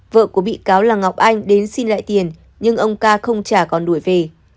vợ của bị cáo là ngọc anh đến xin lại tiền nhưng ông ca không trả còn đuổi về